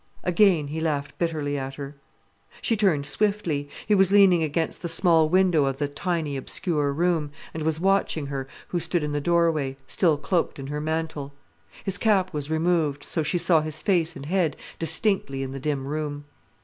Again he laughed bitterly at her. She turned swiftly. He was leaning against the small window of the tiny, obscure room, and was watching her, who stood in the doorway, still cloaked in her mantle. His cap was removed, so she saw his face and head distinctly in the dim room.